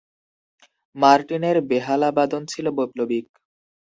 মার্টিনের বেহালাবাদন ছিল বৈপ্লবিক।